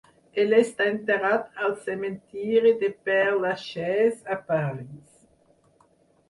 Ell està enterrat al cementiri de Père-Lachaise a Paris.